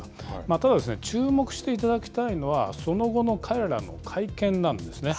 ただ注目していただきたいのは、その後の彼らの会見なんですね。